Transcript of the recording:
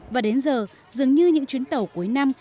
và đến giờ dường như những chuyến tàu cuối năm